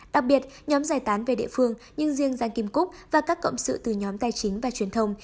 đặc biệt nhóm giải tán về địa phương nhưng riêng giang kim cúc và các cộng sự từ nhóm tài chính và truyền thông